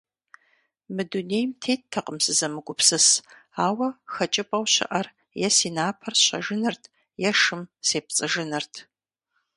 Мы дунейм теттэкъым сызэмыгупсыс, ауэ хэкӀыпӀэу щыӀэр е си напэр сщэжынырт, е шым сепцӀыжынырт.